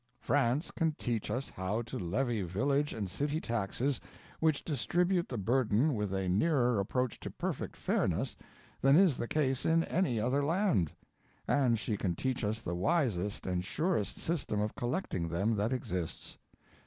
France can teach us how to levy village and city taxes which distribute the burden with a nearer approach to perfect fairness than is the case in any other land; and she can teach us the wisest and surest system of collecting them that exists.